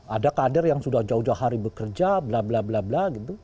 ada kader yang sudah jauh jauh hari bekerja bla bla bla bla gitu